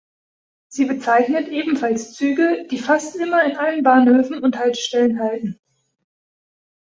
Sie bezeichnet ebenfalls Züge, die fast immer in allen Bahnhöfen und Haltestellen halten.